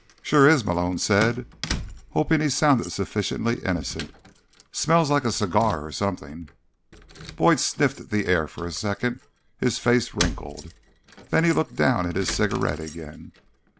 "Sure is," Malone said, hoping he sounded sufficiently innocent. "Smells like a cigar or something." Boyd sniffed the air for a second, his face wrinkled. Then he looked down at his cigarette again.